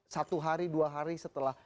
satu hari dua hari setelah